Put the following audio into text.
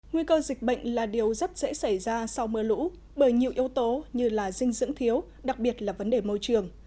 nguy cơ dịch bệnh là điều rất dễ xảy ra sau mưa lũ bởi nhiều yếu tố như là dinh dưỡng thiếu đặc biệt là vấn đề môi trường